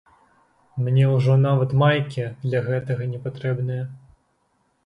Мне ўжо нават майкі для гэтага не патрэбныя.